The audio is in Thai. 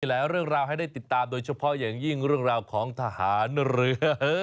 หลายเรื่องราวให้ได้ติดตามโดยเฉพาะอย่างยิ่งเรื่องราวของทหารเรือ